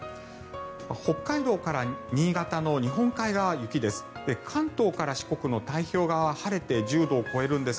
北海道から新潟の日本海側は雪です。